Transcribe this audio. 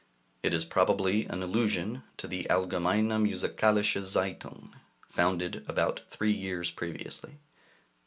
It is probably an allusion to the Allgemeine Musikalische Zeitung, founded about three years previously.